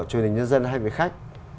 truyền hình nhân dân hay về khách